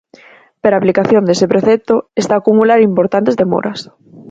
Pero a aplicación dese precepto está a acumular importantes demoras.